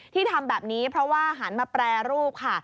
ที่ทำแบบนี้เพราะว่าหันมาแปรรูปค่ะ